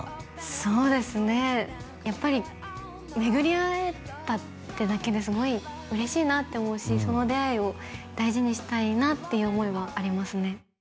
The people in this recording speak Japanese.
そうですねやっぱり巡り会えたってだけですごい嬉しいなって思うしその出会いを大事にしたいなっていう思いはありますね